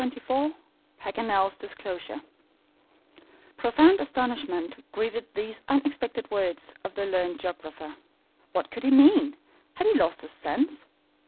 CHAPTER XXIV PAGANEL'S DISCLOSURE PROFOUND astonishment greeted these unexpected words of the learned geographer. What could he mean? Had he lost his sense?